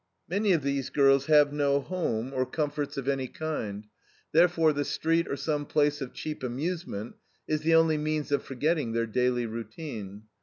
Many of these girls have no home or comforts of any kind; therefore the street or some place of cheap amusement is the only means of forgetting their daily routine.